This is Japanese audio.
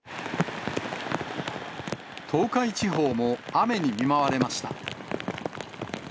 東海地方も雨に見舞われました。